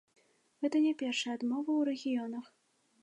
Гэта не першая адмова ў рэгіёнах.